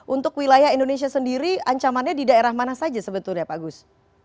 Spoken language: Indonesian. untuk wilayah indonesia sendiri ancamannya di daerah mana saja sebetulnya pak gus